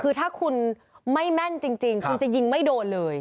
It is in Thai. คือถ้าคุณไม่แม่นจริงคุณจะยิงไม่โดนเลย